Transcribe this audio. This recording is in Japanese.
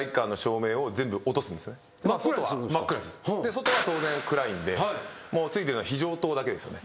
外は当然暗いんでついてるのは非常灯だけです。